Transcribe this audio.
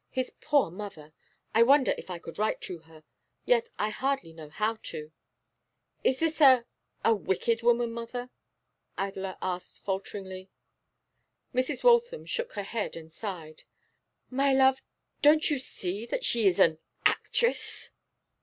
His poor mother! I wonder if I could write to her! Yet I hardly know how to.' 'Is this a a wicked woman, mother?' Adela asked falteringly. Mrs. Waltham shook her head and sighed. 'My love, don't you see that she is an actress?